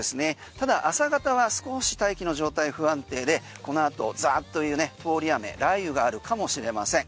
ただ朝方は少し大気の状態不安定でこの後、ザーッという通り雨雷雨があるかもしれません。